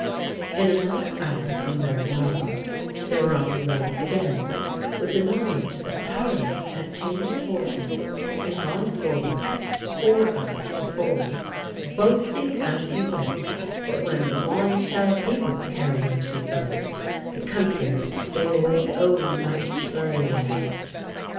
In another hour from their arrival they were on the road again, with the knowledge that Tardif had changed horses and gone forward four hours before, boasting as he went that when the bombshell he was carrying should burst the country would stay awake o' nights for a year.